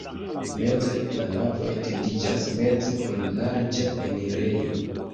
Meze la navo etendiĝas meze kun larĝa enirejo.